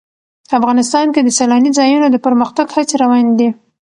افغانستان کې د سیلاني ځایونو د پرمختګ هڅې روانې دي.